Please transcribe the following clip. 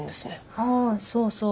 あそうそう。